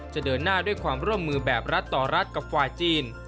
เดินหน้าด้วยความร่วมมือแบบรัฐต่อรัฐกับฝ่ายจีน